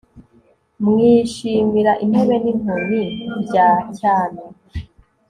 mwishimira intebe n'inkoni bya cyami